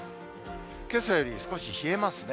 けさより少し冷えますね。